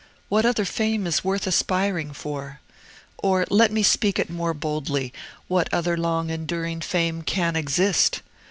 What other fame is worth aspiring for? Or, let me speak it more boldly, what other long enduring fame can exist?